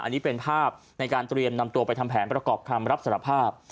อันนี้เป็นภาพในการเตรียมนำตัวไปทำแผนประกอบคำรับสารภาพ